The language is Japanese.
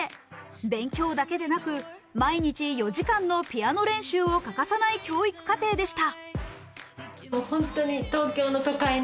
勉強だけでなく毎日４時間のピアノ練習を欠かさない教育家庭でした。